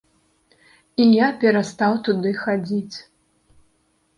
І я перастаў туды хадзіць.